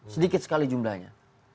sedikit sekali jumlahnya